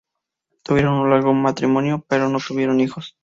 Tuvieron un largo matrimonio, pero no tuvieron hijos.